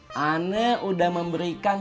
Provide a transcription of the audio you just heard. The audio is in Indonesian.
saya udah memberikan